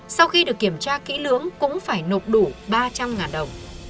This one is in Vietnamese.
sau khi được kiểm tra kỹ lưỡng cũng phải nộp đủ ba trăm linh đồng